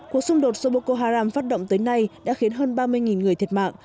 cuộc xung đột do boko haram phát động tới nay đã khiến hơn ba mươi người thiệt mạng